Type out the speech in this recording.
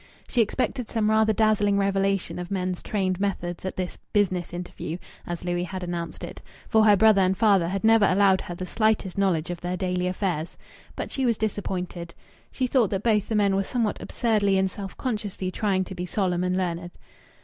She expected some rather dazzling revelation of men's trained methods at this "business interview" (as Louis had announced it), for her brother and father had never allowed her the slightest knowledge of their daily affairs. But she was disappointed. She thought that both the men were somewhat absurdly and self consciously trying to be solemn and learned.